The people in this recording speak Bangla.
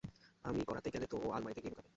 আমি করাতে গেলে তো ও আলমারিতে গিয়ে লুকাবে।